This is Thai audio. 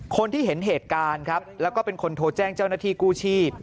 คนที่เห็นเหตุการณ์ครับแล้วก็เป็นคนโทรแจ้งเจ้าหน้าที่กู้ชีพ